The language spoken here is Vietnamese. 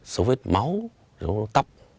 dấu vết máu dấu vết tóc